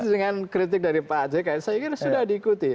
tapi dengan kritik dari pak ajay kayak saya kira sudah diikuti